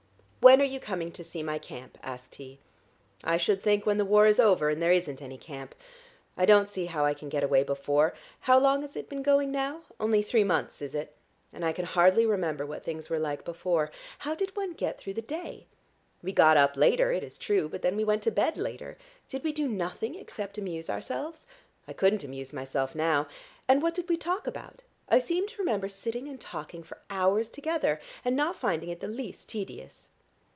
"When are you coming to see my camp?" asked he. "I should think when the war is over and there isn't any camp. I don't see how I can get away before. How long has it been going now? Only three months, is it? And I can hardly remember what things were like before. How did one get through the day? We got up later, it is true, but then we went to bed later. Did we do nothing except amuse ourselves? I couldn't amuse myself now. And what did we talk about? I seem to remember sitting and talking for hours together, and not finding it the least tedious."